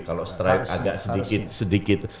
kalau strike agak sedikit